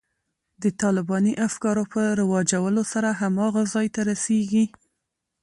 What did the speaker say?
د طالباني افکارو په رواجولو سره هماغه ځای ته رسېږي.